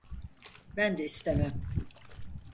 Ben de istemem.